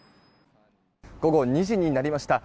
午後２時になりました。